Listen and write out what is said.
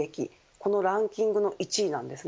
このランキングの１位なんです。